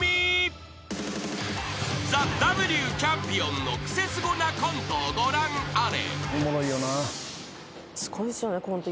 ［ＴＨＥＷチャンピオンのクセスゴなコントをご覧あれ］